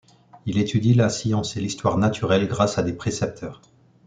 Il étudie la science et l’histoire naturelle grâce à des précepteurs.